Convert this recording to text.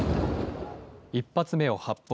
１発目を発砲。